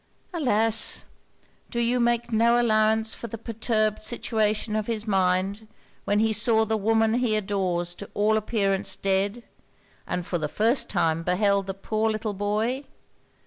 'Alas! do you make no allowance for the perturbed situation of his mind, when he saw the woman he adores to all appearance dead, and for the first time beheld the poor little boy?